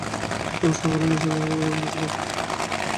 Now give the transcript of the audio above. ওসমান সাহেব বললেন, নিসার আলি সাহেব, আপনি চলে আসুন।